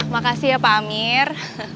makasih ya pak amir